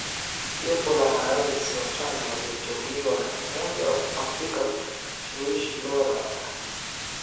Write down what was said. jopo la marais watano walioteuliwa na umoja wa afrika kumshawishi lora gbagbo kutoka madarakani